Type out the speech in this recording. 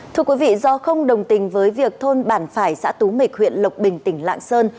thưa quý vị do không đồng tình với việc thôn bản phải xã tú mịch huyện lộc bình tỉnh lạng sơn